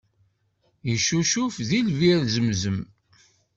Yeccucef deg lbir zemzem.